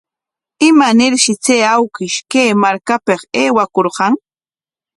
¿Imanarshi chay awkish kay markapik aywakurqan?